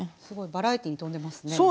すごいバラエティーに富んでますね！